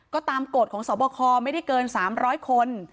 ก็ตามกฏของส่อปกรณ์ไม่ได้เกินสามร้อยคน